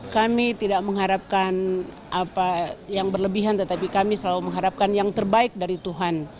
kami tidak mengharapkan apa yang berlebihan tetapi kami selalu mengharapkan yang terbaik dari tuhan